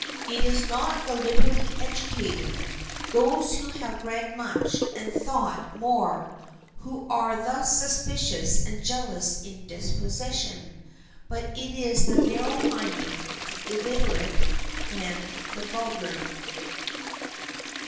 It is not the liberally educated, those who have read much and thought more, who are thus suspicious and jealous in disposition; but it is the narrow minded, the illiterate, and the vulgar.